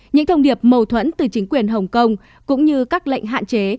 những thông điệp mâu thuẫn từ chính quyền hồng kông cũng như các lệnh hạn chế